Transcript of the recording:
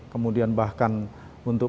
kemudian bahkan untuk